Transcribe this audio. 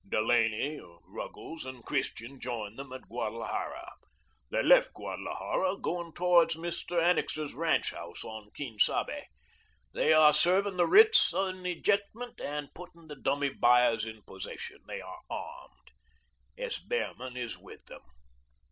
Delaney, Ruggles, and Christian joined them at Guadalajara. They left Guadalajara, going towards Mr. Annixter's ranch house on Quien Sabe. They are serving the writs in ejectment and putting the dummy buyers in possession. They are armed. S. Behrman is with them."